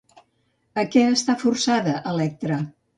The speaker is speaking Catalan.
A què està forçada, Electra?